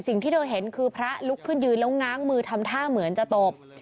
สิ่งที่เธอเห็นคือพระลุกขึ้นยืนแล้วง้างมือทำท่าเหมือนจะตบ